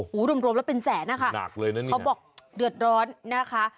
โหรวมแล้วเป็นแสนค่ะเขาบอกเดือดร้อนนะคะ